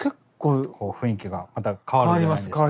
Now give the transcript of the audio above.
雰囲気がまた変わるじゃないですか。